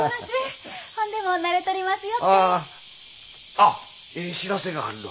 あっええ知らせがあるぞ。